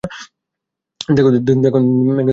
দেখো, তুমি খুবই কোমল।